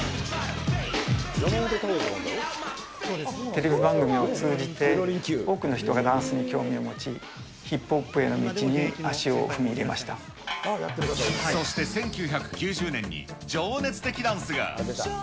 テレビ番組を通じて、多くの人がダンスに興味を持ち、ヒップホップへの道に足を踏み入れましそして、１９９０年に情熱的ダンスが。